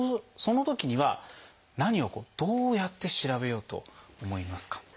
そのときには何をどうやって調べようと思いますか？